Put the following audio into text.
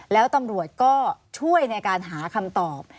แล้วตำรวจก็ช่วยในการหาคำตอบ